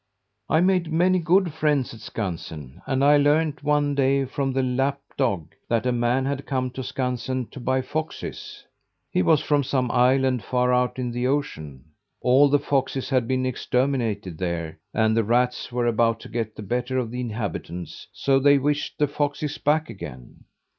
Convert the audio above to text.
"I made many good friends at Skansen, and I learned one day from the Lapp dog that a man had come to Skansen to buy foxes. He was from some island far out in the ocean. All the foxes had been exterminated there, and the rats were about to get the better of the inhabitants, so they wished the foxes back again.